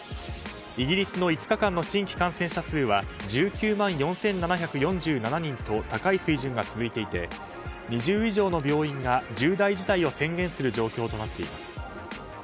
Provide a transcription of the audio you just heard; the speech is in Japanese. イギリスの５日間の新規感染者数は１９万４７４７人と高い水準が続いていて２０以上の病院が重大事態を宣言する状況となっています。